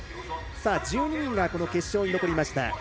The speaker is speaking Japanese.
１２人が決勝に残りました。